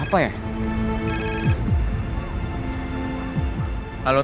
sampai jumpa lagi